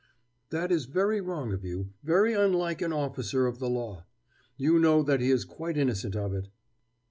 "That is very wrong of you, very unlike an officer of the law. You know that he is quite innocent of it."